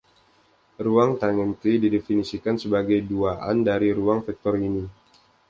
Ruang tangen "T" didefinisikan sebagai duaan dari ruang vektor ini.